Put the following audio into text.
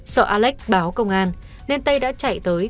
sợ alex báo công an nên tây đã chạy tới